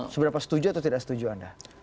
seberapa setuju atau tidak setuju anda